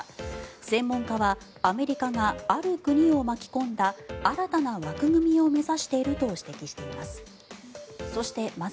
専門家はアメリカがある国を巻き込んだ新たな枠組みを目指していると指摘しています。